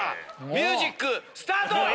ミュージックスタート！